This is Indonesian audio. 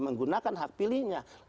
menggunakan hak pilihnya